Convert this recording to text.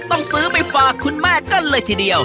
ต้องซื้อไปฝากคุณแม่กันเลยทีเดียว